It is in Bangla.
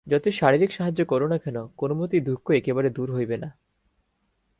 যতই শারীরিক সাহায্য কর না কেন, কোনমতেই দুঃখ একেবারে দূর হইবে না।